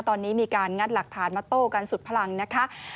ตอนนี้มีการงัดหลักฐานมาโต้กันสุดพลังนะคะ